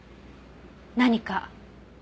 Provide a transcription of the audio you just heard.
何か？